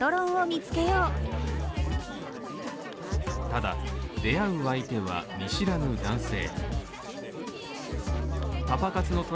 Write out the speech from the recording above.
ただ、出会う相手は見知らぬ男性。